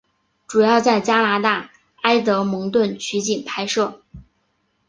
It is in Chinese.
主要在加拿大埃德蒙顿取景拍摄。